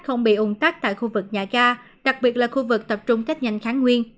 không bị ủng tắc tại khu vực nhà ga đặc biệt là khu vực tập trung kết nhanh kháng nguyên